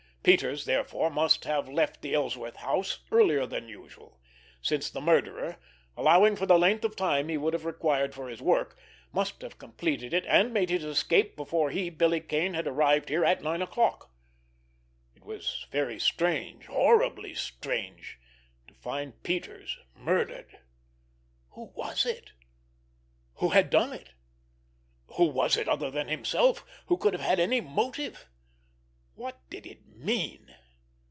Peters, therefore, must have left the Ellsworth house earlier than usual, since the murderer, allowing for the length of time he would have required for his work, must have completed it and made his escape before he, Billy Kane, had arrived here at nine o'clock. It was very strange, horribly strange—to find Peters murdered! Who was it, who had done it? Who was it, other than himself, who could have had any motive? What did it mean?